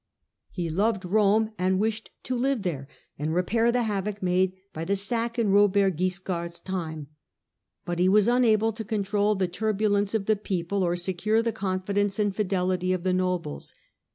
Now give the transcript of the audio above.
He loved Rome, and wished to live there, and repair the havoc made by the sack in Robert Wiscard's time ; but he was unable to control the turbulence of the people, or secure the confidence and fidelity of the nobles.